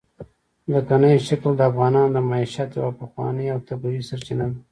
ځمکنی شکل د افغانانو د معیشت یوه پخوانۍ او طبیعي سرچینه ده.